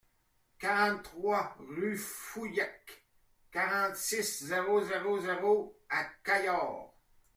quarante-trois rue Fouillac, quarante-six, zéro zéro zéro à Cahors